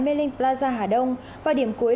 mê linh plaza hà đông và điểm cuối